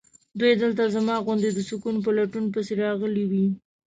دوی دلته زما غوندې د سکون په لټون پسې راغلي وي.